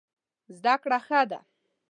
زده کړه ښه ده.